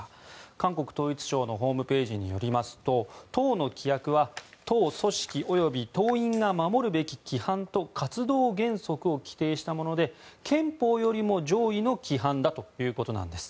韓国統一省のホームページによると党の規約は、党組織及び党員が守るべき規範と活動原則を規定したもので憲法よりも上位の規範ということです。